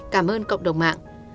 cảm ơn cộng đồng mạng